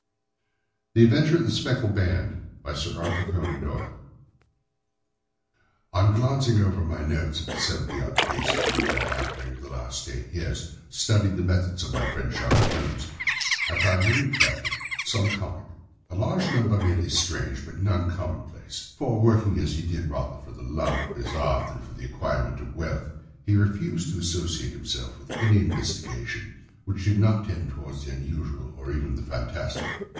THE ADVENTURE OF THE SPECKLED BAND On glancing over my notes of the seventy odd cases in which I have during the last eight years studied the methods of my friend Sherlock Holmes, I find many tragic, some comic, a large number merely strange, but none commonplace; for, working as he did rather for the love of his art than for the acquirement of wealth, he refused to associate himself with any investigation which did not tend towards the unusual, and even the fantastic.